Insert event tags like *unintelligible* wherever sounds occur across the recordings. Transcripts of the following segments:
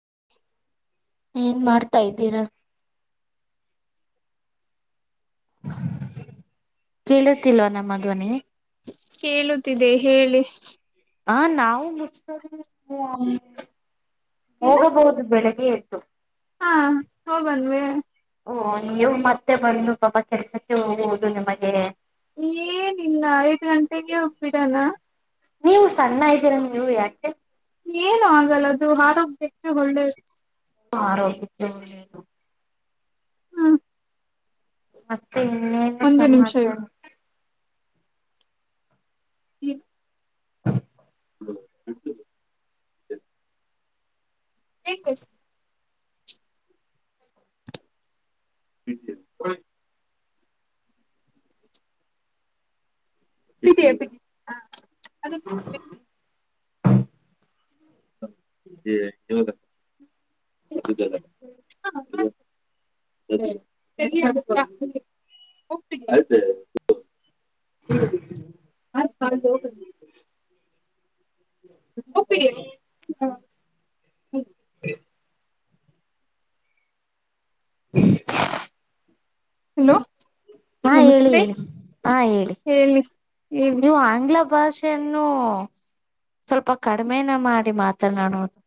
*inaudible* ಏನ್ ಮಾಡ್ತಾ ಇದ್ದೀರಾ ಕೇಳುತ್ತಿಲ್ವಾ ನಮ್ಮ ಧ್ವನಿ ಕೇಳುತ್ತಿದೆ ಹೇಳಿ ಹ ನಾವು ಮುಸ್ತ ಏನು ಹೋಗಬಹುದು ಬೆಳಿಗ್ಗೆ ಬೆಳಗ್ಗೆ ಎದ್ದು ಹಾ ಹೋಗನವೆ ಓ ನೀವು ಮತ್ತೆ ಬಂದು ಪಾಪಾ ಕೆಲ್ಸಕ್ಕೆ ಹೋಗುವುದು ನಿಮಗೆ ಏನಿಲ್ಲ ಐದ್ ಗಂಟೆಗೆ ಹೋಗಬಿಡಾನ ನೀವು ಸಣ್ಣ ಇದ್ದೀರ ನೀವು ಯಾಕೆ ಏನು ಆಗಲ್ಲ ಅದು ಆರೋಗ್ಯಕ್ಕೆ ಒಳ್ಳೇದು ಆರೋಗ ಹ್ಮ ಮತ್ತೆ ಇನ್ನೇನು ಒಂದೇ ನಿಮಿಷ ಸಮಾಚಾರ ಹ್ಮ ಹ ವಿ ಪ್ರಟೀಿಯ ಪ್ರ ಹ ಹ್ಮ ಅ ಕ ಯೋಗ ಪ ಹಾ ಹ ಹಲೋ ಹಾ ಹೇಳಿ ಹೇಳಿ ಹಾ ಹೇಳಿ ಹೇಳಿ ನೀವು ಆಂಗ್ಲ ಭಾಷೆಯನ್ನು ಸ್ವಲ್ಪ ಕಡಿಮೆನ ಮಾಡಿ ಮಾತನಾಡುವುದು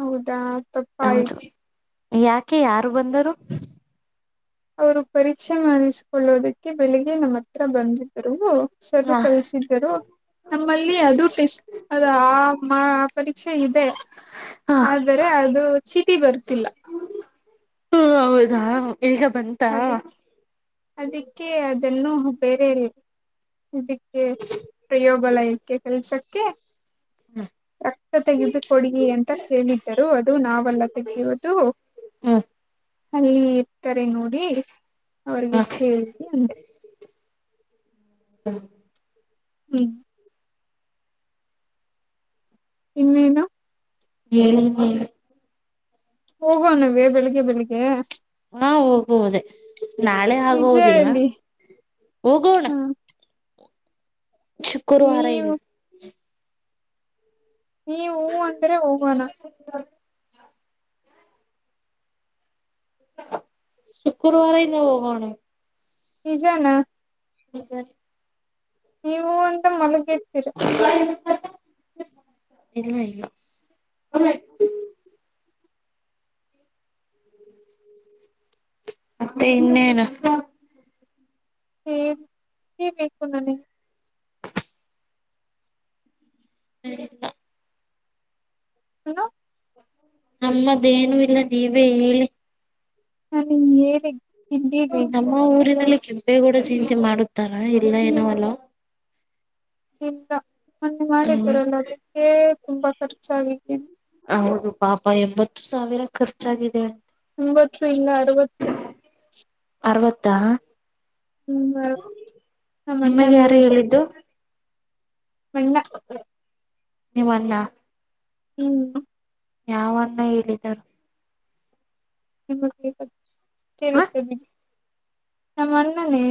ಹೌದಾ ತಪ್ಪ ಆಯ್ತು ಯಾಕೆ ಯಾರು ಬಂದರು ಅವರು ಪರಿಚಯ ಮಾಡಿಸಕೊಳ್ಳೋದಕ್ಕೆ ಬೆಳಿಗ್ಗೆ ನಮ್ಮ ಹತ್ರ ಬಂದಿದ್ರು ಸರು ಹ ಕಲಸಿದ್ದರು ನಮ್ಮಲ್ಲಿ ಅದು ಟೇಸ್ಟ್ ಅದ ಆ ಪರೀಕ್ಷೆ ಇದೆ ಹ ಆದರೆ ಅದು ಚಟಿ ಬರ್ತಿಲ್ಲ ಹ ಹೌದಾ ಈಗ ಬಂತಾ ಅದಕ್ಕೆ ಅದಕ್ಕೆ ಅದನ್ನುೂ ಬೇರೆ ಇದಕ್ಕೆ ಪ್ರಯೋಗಾಲಯಕ್ಕೆ ಕೆಲ್ಸಕ್ಕೆ ಹ್ಮ ರಕ್ತ ತೆಗೆದು ಕೊಡ ಅಂತ ಕೇಳಿದ್ದರು ಅದು ನಾವೆಲ್ಲ ತೆೆಗೆಯುವುದು ಹಾ ಅಲ್ಲಿ ಇರ್ತಾರೆ ನೋಡಿ ಅವ್ರಿಗೆ ಹ ಕೇಳ ಅೆ ಹಾ ಹ್ಮ್ ಇನ್ನ ಇಾ ಹೇಳಿದ್ದೇವೆ ಹೋಗುವ ನವೆ ಬೆಳಿಗ್ಗೆ ಬೆಳಿಗ್ಗೆ ಹಾ ಹೋಗುವುದೇ ನಾಳೆ ನಿಜ ಆಗುದಿಲ್ಲ ಹೇಳಿ ಹೋಗೋಣ ಹ ಶುಕರ್ವಾರ ಇನು ನೀವು ನೀ ಹೂ ಅಂದ್ರೆ ಹೋಗೋಣ ಶುಕ್ರವಾರ ಇಿಂದ ಹೋಗಣ ನಿಜಾನ ಹದರ್ ನೀವು ಅಂತ ಮಲಗ ಹ ಇಲ್ಲ ಮತ್ತೆ ಇನ್ನೇನು ಹೇ ಕ ಬೇಕು ನಾನ ಸ ಹನು ನಮ್ಮದೇನು ಇಲ್ಲ ನೀವೇ ಹೇಳಿ ನ ಏನ ನಮ್ಮ ಊರಿನಲ್ಲಿ ಕೆ ಬೆ ಕೂಡ ಚೇಂತಿ ಮಾಡುತ್ತಾರಾ ಇಲ್ಲ ಏನೋಲ್ಲ ಮನ್ನೆ ಮಾಡಿದ್ದರಲ್ಲ ಅದಕ್ಕೆ ತುಂಬಾ ಖರ್ಚಿದ್ದ ಹೌದು ಪಾಪ ಎಂಬತ್ತು ಸಾವಿರ ಖರ್ಚಾಗಿದೆ ಒಂಬತ್ತು ಇಲ್ಲ ಅರವತ್ತು ಅರ್ವತ್ತ ಹ್ಮ್ ಅರವತ್ತು ನಮ್ಮ ಅಣ್ಣ ನಿಮಗೆ ಯಾರು ಹೇಳಿದ್ದು ಮಣ್ಣ ನಿಮ್ಮಲ್ಲ ಹ್ಮ್ ಯಾವನ್ನ ಹೇಳಿದಾರ ನಿಮ್ಮ ಕ ಹ ಸೇರುತ್ತೇವೆ ನಮ್ಮ ಅಣ್ಣನೇ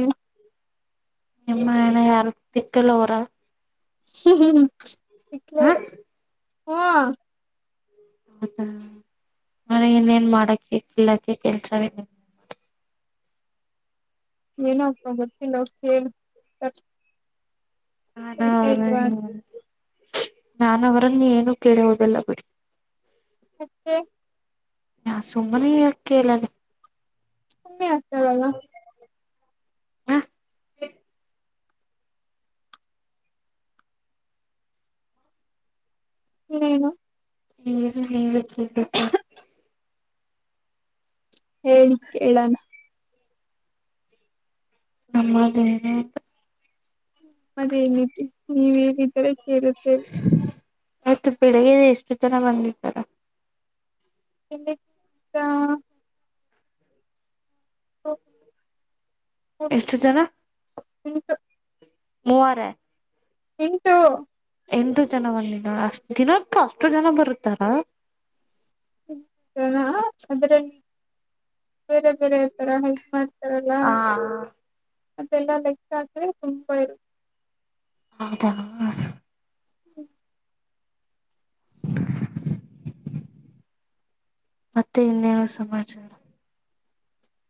ನಿಮ್ಮನ ಯಾರ ತಿಕ್ಕಲ್ಲೋರ ಹ್ಮ ಇ ಹ ಹಾ ಹೌದ ನಾನ ಇನ್ನೇನ್ ಮಾಡಕ ಕಲ್ಲಕ ಕೆಲ್ಸವ ಏನ್ತ ಮತಿ ನ ಹದಾ ನನ್ವರನ್ನ ಏನು ಕೇಳ ಹೋುದಲ್ಲ ಬಿಡಿ ಹತ್ತೆ ನಾ ಸುಮ್ಮನೆ ಕೇೇಳಲಿ ಕಮ್ಮಿ ಆಗ್ತಾರೆಲ್ಲ ಹ ಹ್ಮ್ ನೀ ನೀ ಸ ಹೇಳಿ ಕೇಳಣ ನಮ್ಮದು ಏನ ಅಂತ ಮದೇನತಿ ನೀವೇನಿದ್ದರ ಕೇಳುತ್ತೇವೆ ಮತ್ತು ಬೆಳಿಗ್ಗೆ ಎಷ್ಟು ಜನ ಬಂದಿದ್ದಾರ ಎ ಎಷ್ಟು ಜನ ಇ ಮೂವಾರ ಎಂಟು ಎಂಟು ಜನ ಬಂದಿದಳ ಅಷ್ಟ ದಿನಕ್ಕೂ ಅಷ್ಟು ಜನ ಬರುತ್ತಾರ ಅದ್ರಲ್ಲಿ ಬೇರೆ ಬೇರೆ ತರ ಹೆಲ್ಪ್ ಮಾಡ್ ಹಾ ಮತ್ತೆಲ್ಲಾ ಲೆಕ್ ಹಾಕ್ರೆ ತುಂಬ ಇರು ಹೌದಾ ಹ್ಮ ಮತ್ತೆ ಇನ್ನೇನು ಸಮಾಚಾರ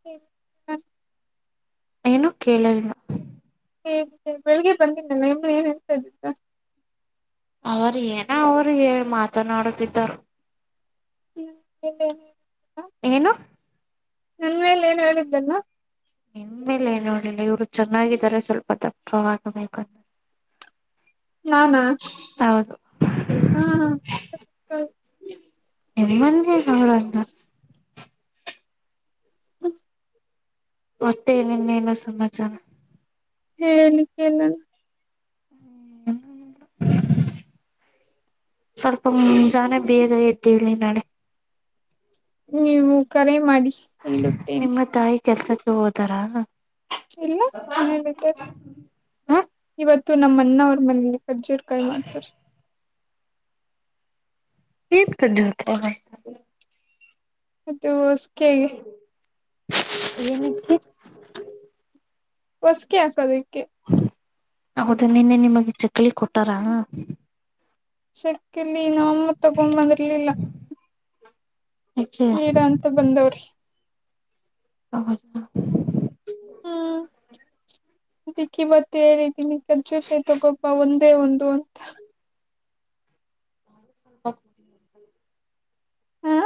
ಹ ಹ್ಮ ಏನುೂ ಕೇಳಲಿಲ್ಲ ಹೇ ಬೆಳಿಗ್ಗೆ ಬಂದನಲ್ಲ ನಿಮ್ಮ ಏನ್ ಹೇಳ್ತಾ ಇದ್ದಿದ್ದ ಅವರು ಏನ ಅವರು ಮಾತನಾಡುತ್ತಿದ್ದರು ಹ್ಮ ಏನು ನನ್ಲೆ ಏನ್ ಹೇಳಿದ್ದಲ್ಲ ನಿಮ್ಮೆಲೆ ನೋಡಿಲ್ಲ ಇವ್ರು ಚೆನ್ನಾಗಿದ್ದಾರೆ ಸ್ವಲ್ಪ ದಪ್ಪ ಹಕಬೇಕಂದ್ರೆ ಹಾ ನಾ ಹ್ಮ ಹಾ ಎಮ್ಮಂದ ಹಳಂತ ಹ್ಮ ಮತ್ತೆ ನಿನ್ನೆಲ್ಲ ಸಮಾಚಾನ ಹೇಳಲಿಕ್ಕೆಲ್ಲಲ್ಲ ಹ್ಮ ಸ್ವಲ್ಪ ಮುಂಜನ ಬೇಗ ್ದ ಹೇಳಿ ನಾಳೆ ನೀವು ಕರೆ ಮಾಡಿ ಹೇಳುತ್ತೇನೆ ನಿಮ್ಮ ತಾಯಿ ಕೆಲ್ಸಕ್ಕೆ ಹೋದಾರಾ ಇಲ್ಲ ಮನೇೆಯಲ್ಲಿ ಇದಿದ್ದಾರೆ ಇವತ್ತು ನಮ್ಮ ಅ್ಣ ಅವ್ರ ಮನಲಿ ಕಜ್ಜಿರ್ ಕಾಯಿ ಮಾಡ್ತಾರ ಏನ್ ಕಜತ ಸ್ ಏನಕ್ಕೆ ಹೊಸಕ ಆಸದಕ್ಕೆ ಹೌದಾ ನಿನ್ನೆ ನಿಮಗೆ ಚಕ್ಕಲಿ ಕೊಟ್ಟಾರ ಸಕಿಲಿ ನಮ್ಮತ್ ತಗೊಂಡ್ ಬಂದಿರ್ಲಿಲ್ಲ ಯಾಕೆ ನೀಡ ಅಂತ ಬಂದವ್ರಿ ಹೌ ಡಿಿಕ್ಕಿ ಬತ್ತಿ ಹೇಳೇಿದ್ದೀನಿ ಕಜ್ಜುಪೈ ತಗೋಬಾ ಒಂದೇ ಒಂದು ಅಂತ ನ ಸಸ ಮಾಟ್ಟೀ ಹ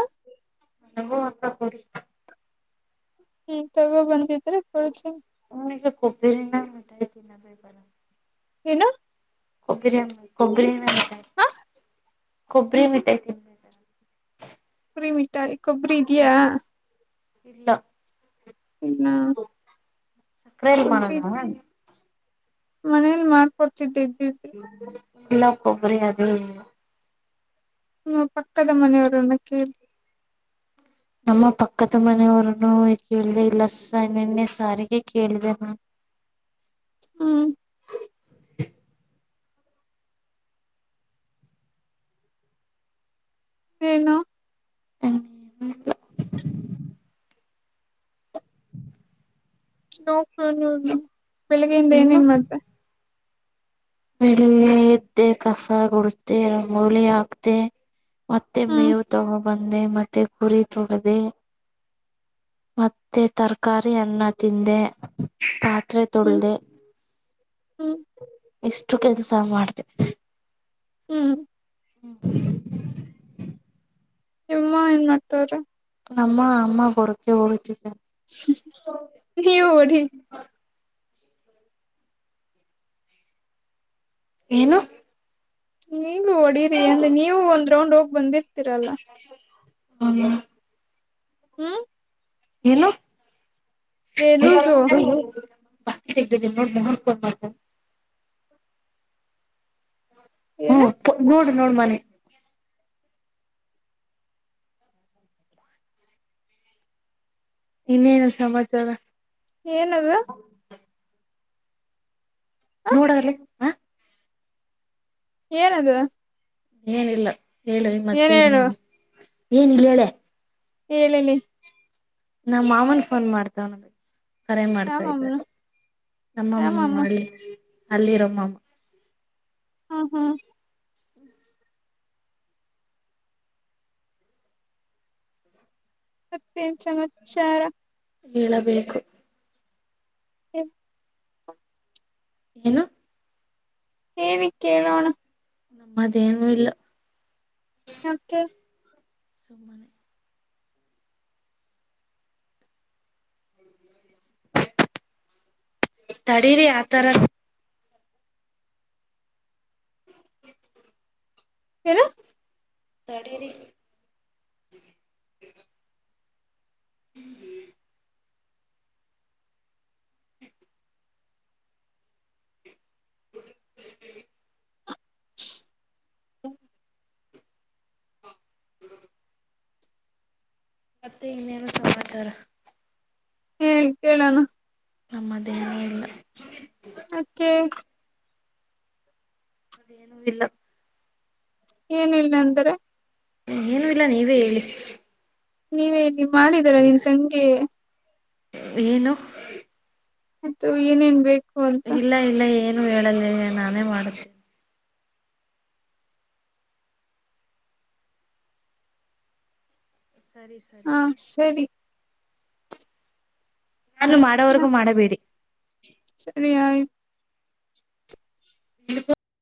ಹನಗೋ ಅಂತ ಕೊರಿ ಹ್ಮ್ ತಗೊ ಬಂದಿದ್ರೆ ಕೊಜಿ ಕೊಬಲಿಂಗ ಮಟತಿ ನ ಬ ಬ ಹನಾ ಕೊಬ್ಬರಿ ಕೊಬ್ಬರಿ ಹ ಕೊಬ್ಬರಿ ಮಿಠ ತಿ ಕುರಿಮಟ್ಟಾ ಕೊಬ್ರಯಾ ಇಲ್ಲ ಹೌದ ಸಕ್ಕರೆೆಯಲ್ಲಿ ಪಣದ ಮನೇಲಿ ಮಾಡ್ಕೊಡ್ತಿದ್ದಿದ್ದ ಎಲ್ಲಪ್ಪಬರದ ಹ್ಮ ಪಕ್ಕದ ಮನೆಯವರುನ್ನ ಕೇಳಿ ನಮ್ಮ ಪಕ್ಕದ ಮನೆಯವರನು ಕೇಳ್ದ ಇಲ್ಲ ಸ ನಿೆನ್ನೆ ಸಾರಿಗೆ ಕೇಳಿದೆ ನ ಹ್ಮ್ ಏನು ಅಂಗ ನೋ ಬೆಳಿಗ್ಗೆಯಿಂದ ಏನೇನ್ ಮಾಡ್ತ ಬೆಳಿಗ್ಿ ಎದ್ದೆ ಕಸ ಗುಡಸ್್ದೆ ರಂಗೋಲಿ ಹಾಕ್ತೆ ಮತ್ತೆ ಹ್ಮ್ ಮೇವು ತಗೋಬಂದೆ ಮತ್ತೆ ಕುರಿ ತೊಗದೆ ಮತ್ತೆ ತರಕಾರಿ ಅನ್ನ ತಿಂದೆ ಹತ್ರೆ ಹ್ಮ್ ತೊಳಿದೆ ಹ್ಮ್ ಎಷ್ಟು ಕೆಲಸ ಮಾಡ್ದ ಹ್ಮ್ ಹ್ಮ ನಿಮ್ಮ ಏನ್ ಮಾಡ್ತವ್ರ ನಮ್ಮ ಅಮ್ಮ ಕೊರಕ್ಕೆ ಳಚ ಸ ನೀವು ಹೊಡಿ ಏನು ನೀಗ ಹೊಡಿರಿ ಅಂದ್ರೆ ನೀವು ಒಂದ್ ರೌಂಡ್ ಹೋಗ್ ಬಂದಿರಿ ಹ ಹ್ಮ ಏನು ಏ ಲೂಸು *unintelligible* ಏನ ಹ್ಮ್ ಗುಡ್ ನೋಡ ಮನೆ. ಇನ್ನೇನು ಸಮಾಚಾರ ಏನದು. ಹ ನೋಡ್ ಅಲ್ಲೇ ಹಾ ಏನದು. ಏನಿಲ್ಲ ಹೇಳ ಮತ್ತೆ ಏನಿಲ್ಲ ಹೇಳಿ ಏನಿಲ್ಲಲೇ. ಹೇಳಲೆ ನಾ ಮಾಮನ್ ಫೋನ್ ಮಾಡ್ದ ಕರೆ ಮಾಡ್ತಾ ಯಾಮಮ್ಮ ಇದ್ದಾರೆ ನಮ್ಮಮ್ಮ ಯಾಮಮ್ಮ ಮಾಡಿ ಅಲ್ಲಿರೋ ಮಾಮ್ ಹಾ ಹಾ ಮತ್ತೇನ್ ಸಮಾಚಾರಾ. ಹೇಳಬೇಕು. *unintelligible* ಏನು. ಹೇಳಿ ಕೇಳೋಣ. ನಮ್ಮದೇನೂ ಇಲ್ಲ. ಯಾಕೆ. *unintelligible* ತಡೀರಿ ಆತರ ಏನು. ತಡಿರಿ. *unintelligible* *unintelligible* ಮತ್ತೆ ಇನ್ನೇನು ಸಮಾಚಾರಾ. ಹೇಳಿ ಕೇಳಣ. ನಮ್ಮದೇನೂ ಇಲ್ಲ. ಯಕ್ಕೆ. ಏನೂ ಇಲ್ಲ. ಏನೂ ಇಲ್ಲ ಅಂದ್ರೆ. ಏನು ಇಲ್ಲ ನೀವೇ ಹೇಳಿ. ನೀವೆ ಹೇಳಿ ನಿಮ್ ಮಾಡಿದೀರಾ ನಿಮ್ಮ್ ತಂಗಿ. ಏನು. ಮತ್ತು ಏನೇನ್ ಬೇಕ ಇಲ್ಲ ಇಲ್ಲ ಏನು ಹೇಳಲಿಲ್ಲ ನಾನೇ ಮಾಡುತ್ತೇ ಸರಿ ಸರಿ ಹಾ ಸರಿ. ನಾನು ಮಾಡೋವರ್ಗೂ ಮಾಡಬೇಡಿ. ಸರಿಯಬಾ *inaudible*